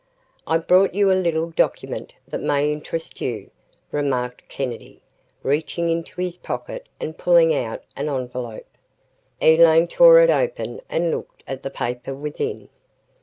"I've brought you a little document that may interest you," remarked Kennedy, reaching into his pocket and pulling out an envelope. Elaine tore it open and looked at the paper within.